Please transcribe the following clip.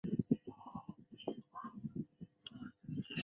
狭义的曲则多指宋朝以来的南曲和北曲。